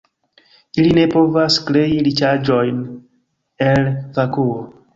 Ili ne povas krei riĉaĵojn el vakuo.